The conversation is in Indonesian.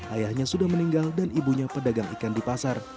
ayahnya sudah meninggal dan ibunya pedagang ikan di pasar